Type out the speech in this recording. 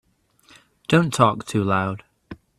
Don't talk too loud.